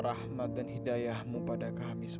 kamu kenapa sayang hari ini